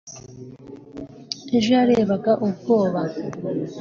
ejo yarebaga ubwoba